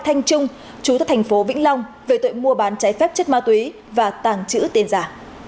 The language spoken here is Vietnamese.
thanh trung chú tại thành phố vĩnh long về tội mua bán trái phép chất ma túy và tàng trữ tiền giả